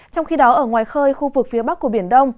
trong khi đó ở ngoài khơi khu vực phía bắc của biển đông